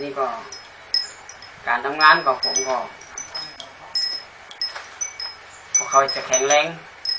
นี่ก็การทำงานกับผมก็ค่อยจะแข็งแรง